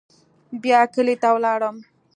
بيا کلي ته ولاړم.